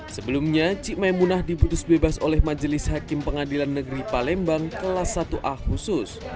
sebelumnya cikmay munah diputus bebas oleh majelis hakim pengadilan negeri palembang kelas satu a khusus